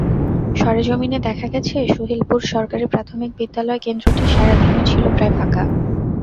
সরেজমিনে দেখা গেছে, সুহিলপুর সরকারি প্রাথমিক বিদ্যালয় কেন্দ্রটি সারা দিনই ছিল প্রায় ফাঁকা।